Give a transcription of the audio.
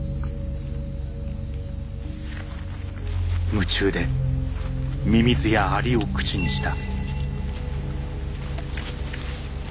夢中でミミズやアリを口にした。